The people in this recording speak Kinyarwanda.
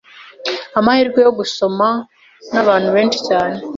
amahirwe yo gusomwa nabantu benshi cyane.